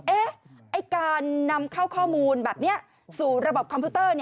การนำเข้าข้อมูลแบบนี้สู่ระบบคอมพิวเตอร์